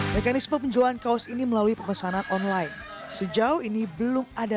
mekanisme penjualan kaos ini melalui pemesanan online sejauh ini belum ada